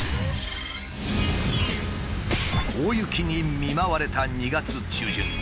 大雪に見舞われた２月中旬。